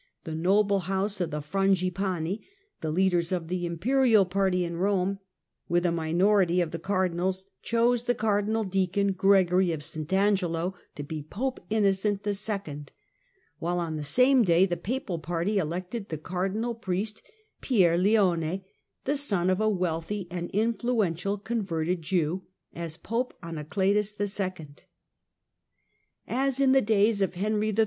The noble house of the ^f^Q^ °^ Frangipani, the leaders of the imperial party in Rome, with a minority of the cardinals chose the cardinal deacon Gregory of St Angelo to be Pope Innocent II., while on the same day the papal party elected the cardinal priest Pierleone, the son of a wealthy and influential converted Jew, as Pope Anacletus II. As in the days of Henry III.